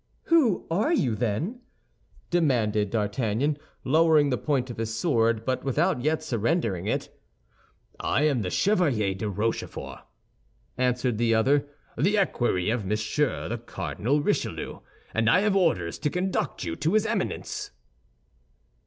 "Who are you, then?" demanded D'Artagnan, lowering the point of his sword, but without yet surrendering it. "I am the Chevalier de Rochefort," answered the other, "the equerry of Monsieur le Cardinal Richelieu, and I have orders to conduct you to his Eminence."